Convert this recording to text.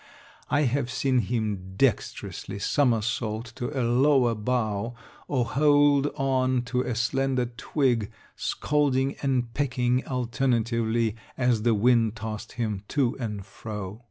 I have seen him dextrously somersault to a lower bough, or hold on to a slender twig, scolding and pecking alternately, as the wind tossed him to and fro.